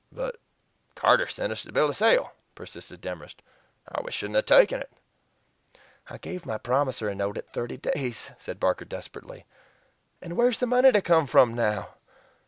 "But Carter sent us the bill of sale," persisted Demorest, "or we shouldn't have taken it." "I gave my promissory note at thirty days," said Barker desperately, "and where's the money to come from now?